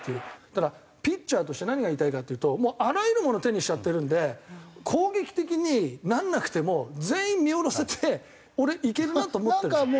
だからピッチャーとして何が言いたいかっていうともうあらゆるもの手にしちゃってるんで攻撃的にならなくても全員見下ろせて俺いけるなと思ってるんですよ。